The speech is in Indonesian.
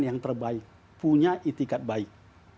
yang terbaik punya itikat baik